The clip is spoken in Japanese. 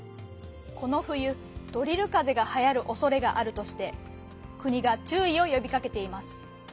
このふゆドリルかぜがはやるおそれがあるとしてくにがちゅういをよびかけています。